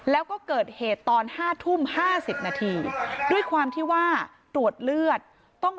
แล้วก็เกิดเหตุตอน๕ทุ่ม๕๐นาทีด้วยความที่ว่าตรวจเลือดต้อง